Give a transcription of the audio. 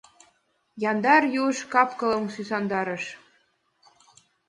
Яндар юж кап-кылым сӱсандарыш.